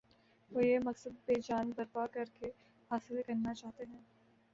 وہ یہ مقصد ہیجان برپا کر کے حاصل کرنا چاہتے ہیں۔